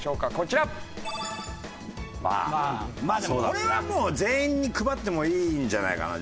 これはもう全員に配ってもいいんじゃないかな